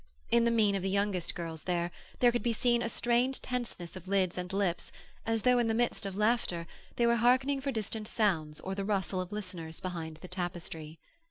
In the mien of the youngest girls there, there could be seen a strained tenseness of lids and lips as though, in the midst of laughter, they were hearkening for distant sounds or the rustle of listeners behind the tapestry.